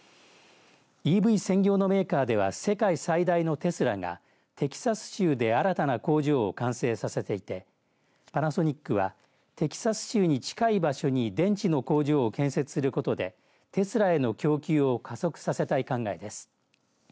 ＥＶ専業のメーカーでは世界最大のテスラがテキサス州で新たな工場を完成させていてパナソニックはテキサス州に近い場所に電池の工場を建設することでテスラへの供給を加速させたい考えです。